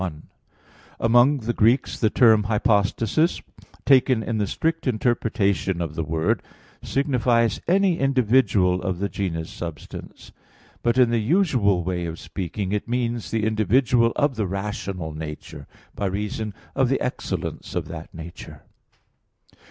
1: Among the Greeks the term "hypostasis," taken in the strict interpretation of the word, signifies any individual of the genus substance; but in the usual way of speaking, it means the individual of the rational nature, by reason of the excellence of that nature.